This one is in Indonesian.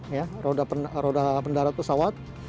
ya roda pendarat pesawat